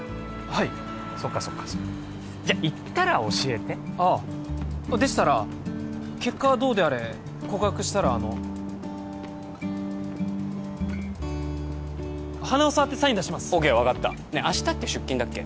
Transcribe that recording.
はいそっかそっかそっかじゃあ言ったら教えてああでしたら結果はどうであれ告白したらあの鼻を触ってサイン出しますＯＫ分かったねえ明日って出勤だっけ？